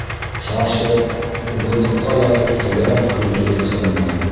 - Шашып, урындыҡҡа ятып, тәгәрәп көлдө Ихсанбай.